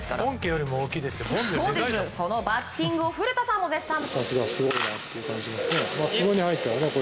そのバッティングを古田さんも絶賛。